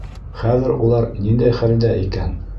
Хәҙер улар ниндәй хәлдә икән?